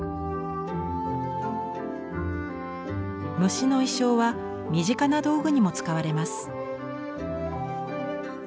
虫の意匠は身近な道具にも使われます。